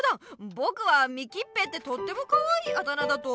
ぼくは「みきっぺ」ってとってもかわいいあだ名だと思うな。